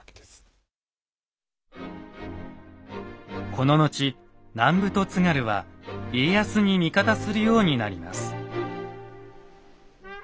この後南部と津軽は家康に味方するようになります。